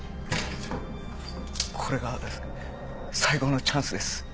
これが最後のチャンスです。